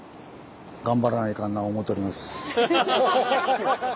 ガンバらないかんな思うとります。